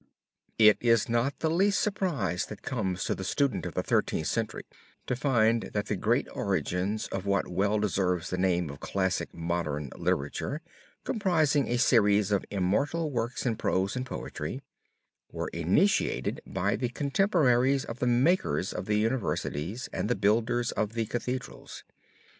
It is not the least surprise that comes to the student of the Thirteenth Century, to find that the great origins of what well deserves the name of classic modern literature, comprising a series of immortal works in prose and poetry, were initiated by the contemporaries of the makers of the universities and the builders of the Cathedrals.